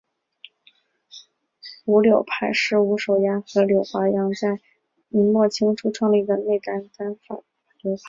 伍柳派是伍守阳和柳华阳在明末清初创立的内丹丹法流派。